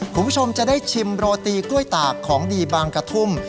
คุณผู้ชมจะได้ชิมโรตีกล้วยตากของดีบางกระทุ่ม